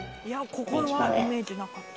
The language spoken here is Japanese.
ここはイメージなかった。